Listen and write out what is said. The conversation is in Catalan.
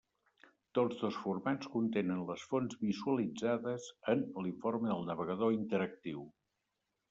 Tots dos formats contenen les fonts visualitzades en l'informe del navegador interactiu.